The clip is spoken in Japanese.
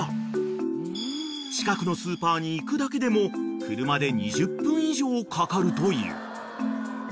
［近くのスーパーに行くだけでも車で２０分以上かかるという］